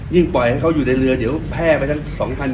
ยิ่งปล่อยให้เขาอยู่ในเหลือเดี๋ยวแพร่ไปทั้ง๒๐๐๐คน